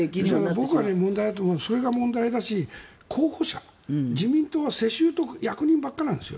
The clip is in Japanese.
僕が問題だと思うのはそれが問題だと思うし候補者自民党は世襲とか役人ばかりです。